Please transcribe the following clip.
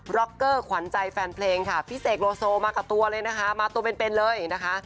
ร็อกเกอร์ขวัญใจแฟนเพลงค่ะพี่เสกโลโซมากับตัวเลยนะคะมาตัวเป็นเลยนะคะ